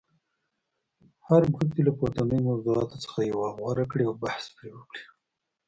هر ګروپ دې له پورتنیو موضوعاتو څخه یوه غوره کړي او بحث پرې وکړي.